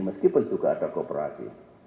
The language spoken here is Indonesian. meskipun juga ada kooperasi